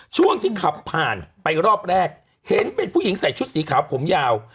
ช่วงที่ขับผ่านไปรอบแรกเห็นเป็นผู้หญิงใส่ชุดสีขาวผมยาว